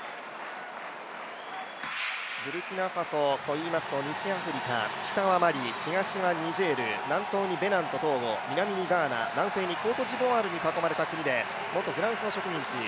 ブルキナファソといいますと西アフリカ、北はマリ東がニジェール、南東にベナン、南にガーナ、南西にコートジボワールに囲まれた国で元フランスの植民地。